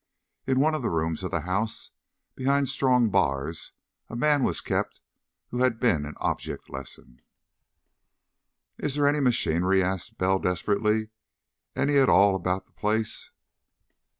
In one of the rooms of the house, behind strong bars, a man was kept who had been an object lesson.... "Is there any machinery?" asked Bell desperately. "Any at all about the place?"